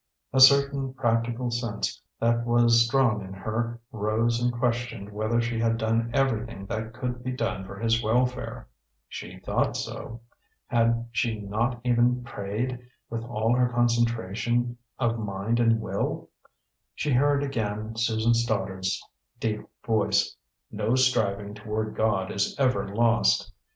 A certain practical sense that was strong in her rose and questioned whether she had done everything that could be done for his welfare. She thought so. Had she not even prayed, with all her concentration of mind and will? She heard again Susan Stoddard's deep voice: "No striving toward God is ever lost!"